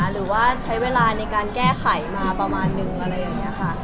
หรือว่าใช้เวลาในการแก้ไขมาประมาณนึงอะไรอย่างนี้ค่ะ